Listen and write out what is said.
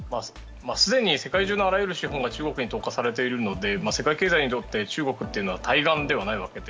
すでに世界中のあらゆる資本が中国に特化されていますので世界経済にとって、中国は対岸ではないわけで。